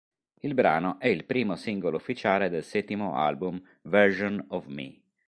Il brano è il primo singolo ufficiale del settimo album "Version of Me".